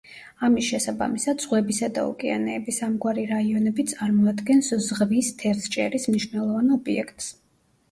ამის შესაბამისად, ზღვებისა და ოკეანეების ამგვარი რაიონები წარმოადგენს ზღვის თევზჭერის მნიშვნელოვან ობიექტს.